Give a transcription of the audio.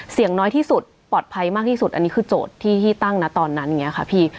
เสี่ยงน้อยที่สุดปลอดภัยมากที่สุดอันนี้คือโจทย์ที่ตั้งตอนนั้นค่ะพี่